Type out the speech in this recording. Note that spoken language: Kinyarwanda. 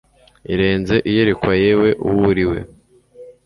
irenze iyerekwa yewe uwo uri we